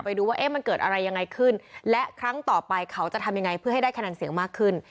ไปดูว่าเอ๊ะมันเกิดอะไรยังไงขึ้นและครั้งต่อไปเขาจะทำยังไงเพื่อให้ได้คะแนนเสียงมากขึ้น